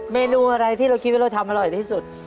เมนูอะไรที่เราคิดว่าเราทำอร่อยที่สุด